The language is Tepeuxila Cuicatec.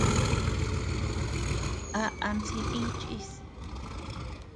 ¿A am silï chíʼs.